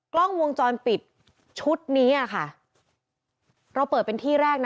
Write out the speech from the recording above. กล้องวงจรปิดชุดนี้อ่ะค่ะเราเปิดเป็นที่แรกนะ